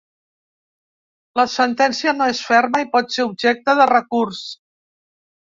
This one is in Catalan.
La sentència no és ferma i pot ser objecte de recurs.